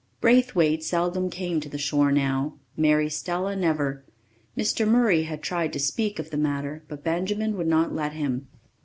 Braithwaite seldom came to the shore now. Mary Stella never. Mr. Murray had tried to speak of the matter, but Benjamin would not let him.